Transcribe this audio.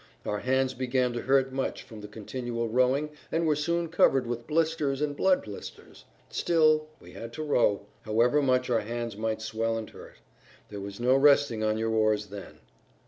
Our hands began to hurt much from the continual rowing and were soon covered with blisters and blood blisters. Still, we had to row, however much our hands might swell and hurt; there was no resting on your oars then.